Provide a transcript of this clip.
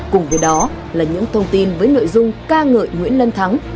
cùng với đó là những thông tin với nội dung ca ngợi nguyễn lân thắng